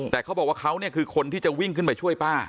แต่เขาบอกว่าเขาเนี่ยคือคนที่จะวิ่งขึ้นไปช่วยป้า